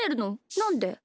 なんで？